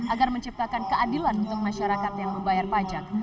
agar menciptakan keadilan untuk masyarakat yang membayar pajak